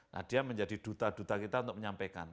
nah dia menjadi duta duta kita untuk menyampaikan